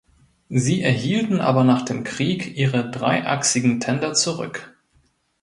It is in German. Sie erhielten aber nach dem Krieg ihre dreiachsigen Tender zurück.